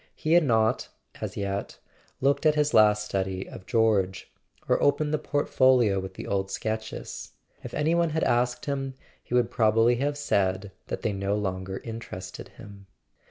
He had not, as yet, looked at his last study of George, or opened [ 412 ] A SON AT THE FRONT the portfolio with the old sketches; if any one had asked him, he would probably have said that they no longer in¬ terested him.